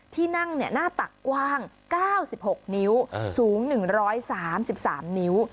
ที่นั่งหน้าตักกว้าง๙๖นิ้วสูง๑๓๓นิ้ว